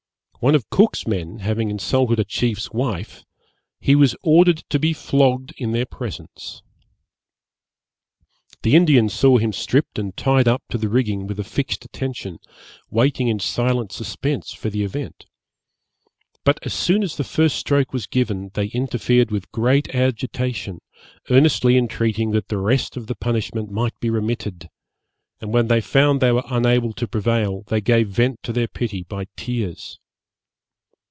One of Cook's men having insulted a chief's wife, he was ordered to be flogged in their presence. The Indians saw him stripped and tied up to the rigging with a fixed attention, waiting in silent suspense for the event; but as soon as the first stroke was given, they interfered with great agitation, earnestly entreating that the rest of the punishment might be remitted; and when they found they were unable to prevail, they gave vent to their pity by tears.